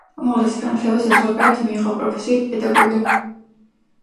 უმაღლესი განათლება საზღვარგარეთ მიიღო; პროფესიით პედაგოგი.